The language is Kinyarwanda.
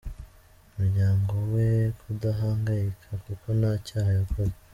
muryango we kudahangayika kuko ntacyaha yakoze.